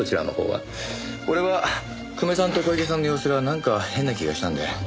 俺は久米さんと小池さんの様子がなんか変な気がしたんで。